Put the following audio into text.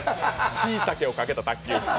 しいたけをかけた卓球。